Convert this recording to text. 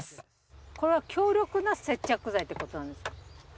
これは強力な接着剤ってことなんですか？